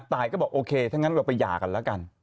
ตายก็บอกโอเคถ้างั้นเราไปหย่ากันแล้วกัน